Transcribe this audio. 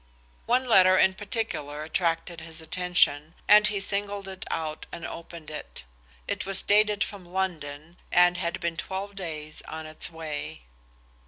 One letter in particular attracted his attention, and he singled it out and opened it. It was dated from London, and had been twelve days on its way.